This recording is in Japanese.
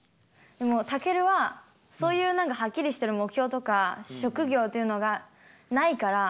でもタケルはそういう何かはっきりしてる目標とか職業というのがないからその何か